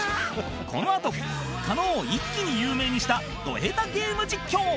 このあと狩野を一気に有名にしたド下手ゲーム実況